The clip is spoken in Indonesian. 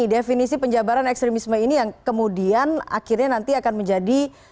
definisi penjabaran ekstremisme ini yang kemudian akhirnya nanti akan menjadi